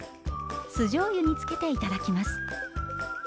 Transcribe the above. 酢じょうゆにつけて頂きます。